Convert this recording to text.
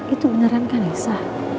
itu beneran kanesha